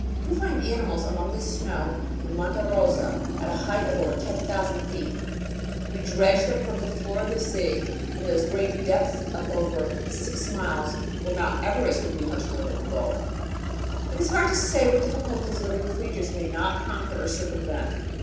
We find animals among the snow on Monte Rosa at a height of over 10,000 feet; we dredge them from the floor of the sea, from those great "deeps" of over six miles where Mount Everest would be much more than engulfed. It is hard to say what difficulties living creatures may not conquer or circumvent.